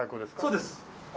そうです。